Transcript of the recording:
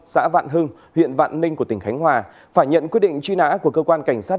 xã vạn hưng huyện vạn ninh của tỉnh khánh hòa phải nhận quyết định truy nã của cơ quan cảnh sát